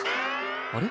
あれ？